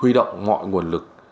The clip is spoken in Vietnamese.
huy động mọi nguồn lực